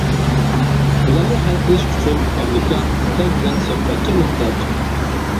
بۇلارنى ھەل قىلىش ئۈچۈن ئامېرىكا خىتاي بىلەن سۆھبەتكە موھتاج.